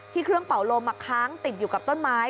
เครื่องเป่าลมค้างติดอยู่กับต้นไม้